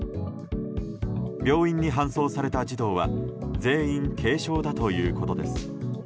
病院に搬送された児童は全員、軽症だということです。